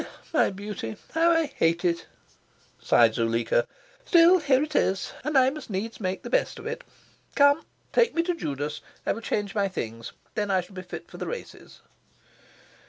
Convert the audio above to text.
"My beauty! How I hate it!" sighed Zuleika. "Still, here it is, and I must needs make the best of it. Come! Take me to Judas. I will change my things. Then I shall be fit for the races."